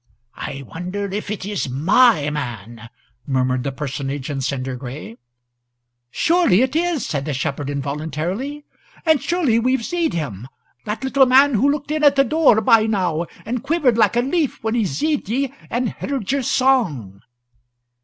"I wonder if it is my man?" murmured personage in cinder gray. "Surely it is!" said the shepherd, involuntarily. "And surely we've seen him! That little man who looked in at the door by now, and quivered like a leaf when he seed ye and heard your song."